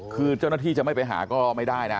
คือเจ้าหน้าที่จะไม่ไปหาก็ไม่ได้นะ